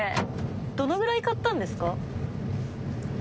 どのぐらい買ったんですか？